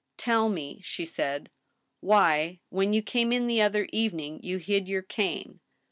" Tell me," she said, " why, when you came in the other evening, you hid your cane